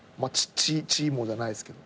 地位もじゃないすけど。